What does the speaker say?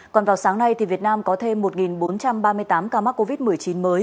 còn vào sáng nay việt nam có thêm một bốn trăm ba mươi tám ca mắc covid một mươi chín mới